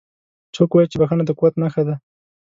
څوک وایي چې بښنه د قوت نښه ده